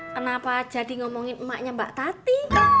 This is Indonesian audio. kenapa jadi ngomongin emaknya mbak tati